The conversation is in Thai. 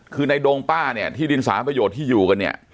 คือในดงป้าเนี่ยที่ดินสารประโยชน์ที่อยู่กันเนี่ย